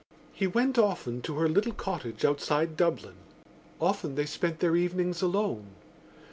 He went often to her little cottage outside Dublin; often they spent their evenings alone.